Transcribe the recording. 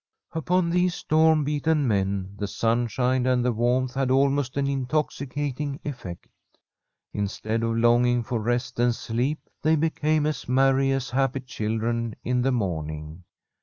Upon these storm beaten men the sunshine and the warmth had almost an intoxicating effect. Instead of longing for rest and sleep, they be came as merry as happy children in the morning.